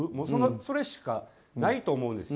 それしかないと思うんですよ。